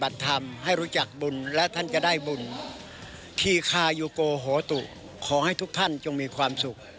สาอยุโกโฮตุขอให้ทุกท่านจะมีความสุข